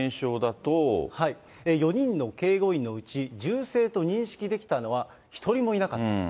４人の警護員のうち、銃声と認識できたのは１人もいなかったと。